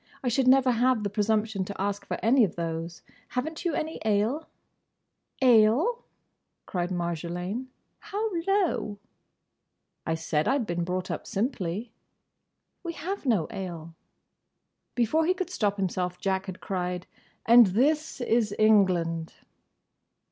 I should never have the presumption to ask for any of those. Have n't you any ale?" "Ale!" cried Marjolaine, "how low!" "I said I 'd been brought up simply." "We have no ale." Before he could stop himself Jack had cried "And this is England!"